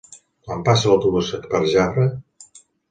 Quan passa l'autobús per Jafre?